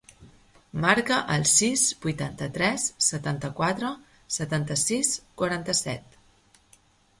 Marca el sis, vuitanta-tres, setanta-quatre, setanta-sis, quaranta-set.